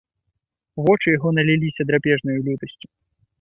Вочы яго наліліся драпежнаю лютасцю.